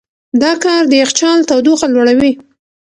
دا کار د یخچال تودوخه لوړوي.